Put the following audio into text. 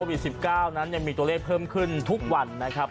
๑๙นั้นยังมีตัวเลขเพิ่มขึ้นทุกวันนะครับ